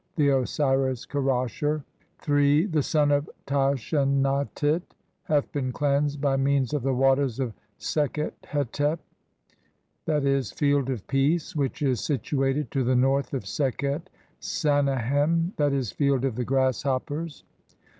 The Osiris Kerasher, (3) the son of Tashen "atit, hath been cleansed by means of the waters of "Sekhet hetep (/. e., Field of Peace) which is situated "to the north of Sekhet Sanehem (i. e., Field of the "Grasshoppers).